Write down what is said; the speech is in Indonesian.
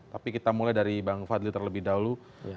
tapi kita mulai dari bang fadli terlebih dahulu